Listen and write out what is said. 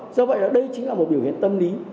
do vậy là đây chính là một biểu hiện tâm lý